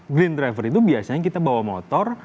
green driver itu biasanya kita bawa motor